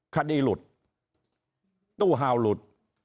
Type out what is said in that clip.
คดีหลุดตู้ฮาวหลุด